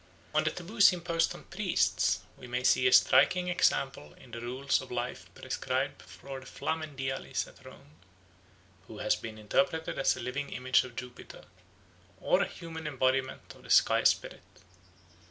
Of the taboos imposed on priests we may see a striking example in the rules of life prescribed for the Flamen Dialis at Rome, who has been interpreted as a living image of Jupiter, or a human embodiment of the sky spirit.